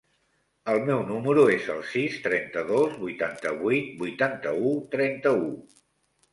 El meu número es el sis, trenta-dos, vuitanta-vuit, vuitanta-u, trenta-u.